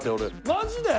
マジで！？